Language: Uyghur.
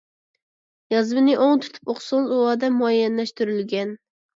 يازمىنى ئوڭ تۇتۇپ ئوقۇسىڭىز ئۇ ئادەم مۇئەييەنلەشتۈرۈلگەن.